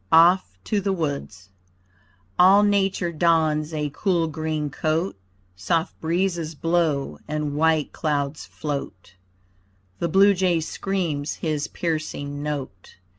OFF TO THE WOODS All nature dons a cool green coat, Soft breezes blow and white clouds float; The blue jay screams his piercing note.